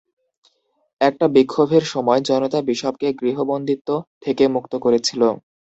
একটা বিক্ষোভের সময়, জনতা বিশপকে গৃহবন্দিত্ব থেকে মুক্ত করেছিল।